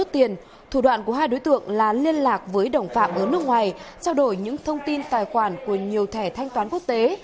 thủ đoạn của hai đối tượng là liên lạc với đồng phạm ở nước ngoài trao đổi những thông tin tài khoản của nhiều thẻ thanh toán quốc tế